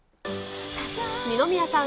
二宮さん